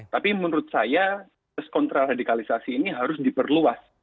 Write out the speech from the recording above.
tapi menurut saya kontraradikalisasi ini harus diperluas